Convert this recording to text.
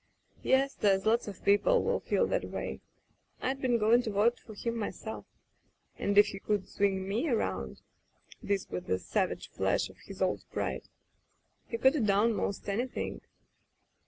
"Yes. There's lots of people will feel that way. Fd been going to vote for him myself, and if he could swing me around'* — this with a savage flash of his old pride — ^he could 'a done most anything.